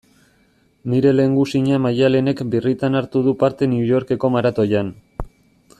Nire lehengusina Maialenek birritan hartu du parte New Yorkeko maratoian.